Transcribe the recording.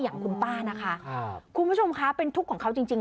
อย่างคุณป้านะคะครับคุณผู้ชมคะเป็นทุกข์ของเขาจริงจริง